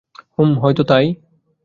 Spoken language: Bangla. হুম, হয়তো তাই।